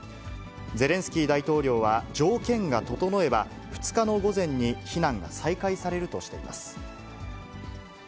ゼレンスキー大統領は条件が整えば、２日の午前に避難が再開されるとしています。